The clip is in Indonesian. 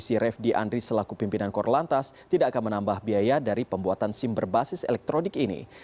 si refdi andri selaku pimpinan korlantas tidak akan menambah biaya dari pembuatan sim berbasis elektronik ini